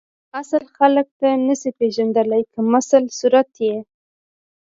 اصل خلک ته نسی پیژندلی کمسل صورت یی